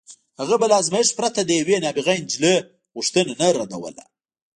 هغه به له ازمایښت پرته د یوې نابغه نجلۍ غوښتنه نه ردوله